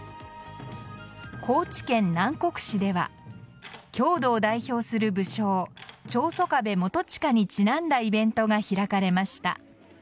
高知県南国市では郷土を代表する武将長宗我部元親にちなんだイベントが開かれました。